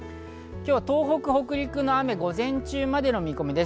今日は東北、北陸の雨は午前中までの見込みです。